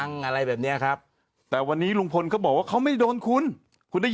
พลิกต๊อกเต็มเสนอหมดเลยพลิกต๊อกเต็มเสนอหมดเลย